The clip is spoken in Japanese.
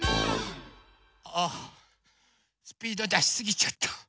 ・あスピードだしすぎちゃった。